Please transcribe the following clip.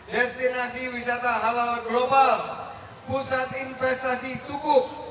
destinasi wisata halal global pusat investasi sukuk